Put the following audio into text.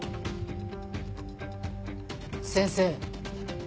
先生。